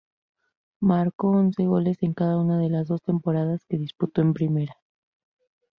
Marcó once goles en cada una de las dos temporadas que disputó en Primera.